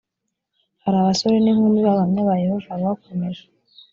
hari abasore n’inkumi b’abahamya ba yehova bakomeje